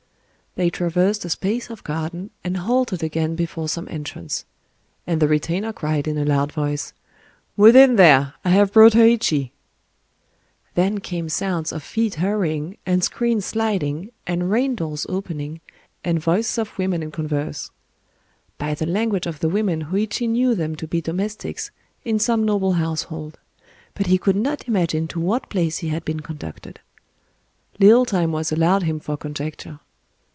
They traversed a space of garden, and halted again before some entrance; and the retainer cried in a loud voice, "Within there! I have brought Hōïchi." Then came sounds of feet hurrying, and screens sliding, and rain doors opening, and voices of women in converse. By the language of the women Hōïchi knew them to be domestics in some noble household; but he could not imagine to what place he had been conducted. Little time was allowed him for conjecture.